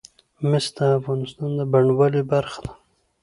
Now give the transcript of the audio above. مس د افغانستان د بڼوالۍ برخه ده.